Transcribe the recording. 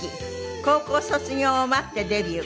高校卒業を待ってデビュー。